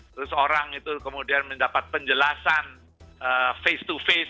terus orang itu kemudian mendapat penjelasan face to face